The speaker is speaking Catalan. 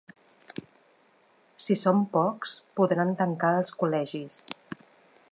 Si som pocs, podran tancar els col·legis.